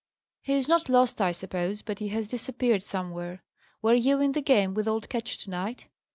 "He is not lost, I suppose; but he has disappeared somewhere. Were you in the game with old Ketch, to night?"